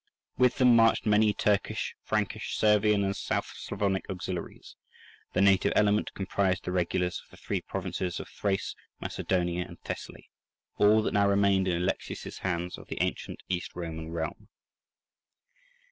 With them marched many Turkish, Frankish, Servian, and South Slavonic auxiliaries; the native element comprised the regulars of the three provinces of Thrace, Macedonia, and Thessaly, all that now remained in Alexius' hands of the ancient East Roman realm.